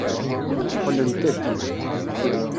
Qqlent-d.